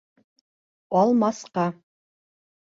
Алмасҡа!